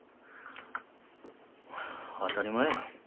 当たり前やん。